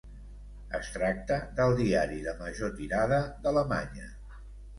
Es tracta del diari de major tirada d'Alemanya.